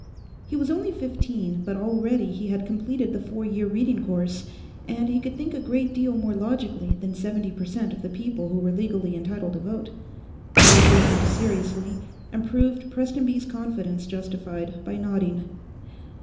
He was only fifteen, but already he had completed the four year reading course and he could think a great deal more logically than seventy per cent of the people who were legally entitled to vote. Ray listened seriously, and proved Prestonby's confidence justified by nodding.